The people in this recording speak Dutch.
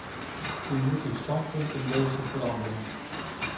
U moet uw standpunt in deze veranderen.